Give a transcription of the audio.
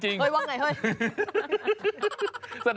เฮ้ยว่าไงเฮ้ย